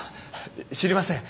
知りません。